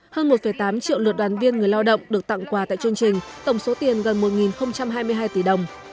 hơn một tám triệu lượt đoàn viên người lao động được tặng quà tại chương trình tổng số tiền gần một hai mươi hai tỷ đồng